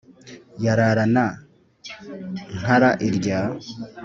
yararana nkara irya